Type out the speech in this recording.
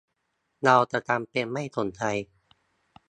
เราจะทำเป็นไม่สนใจ